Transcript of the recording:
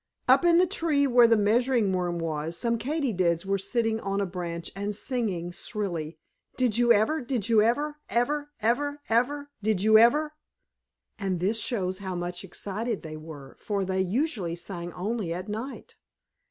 Up in the tree where the Measuring Worm was, some Katydids were sitting on a branch and singing shrilly: "Did you ever? Did you ever? Ever? Ever? Ever? Did you ever?" And this shows how much excited they were, for they usually sang only at night.